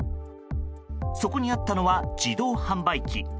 そこにあったのは自動販売機。